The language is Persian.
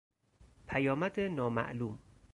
پیامد نامعلوم